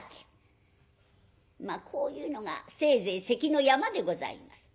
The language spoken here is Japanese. まあこういうのがせいぜい関の山でございます。